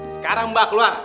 sekarang mbak keluar